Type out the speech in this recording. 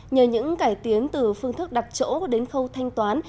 nhờ những cải tiến từ phương thức đặt chỗ đến khâu thanh toán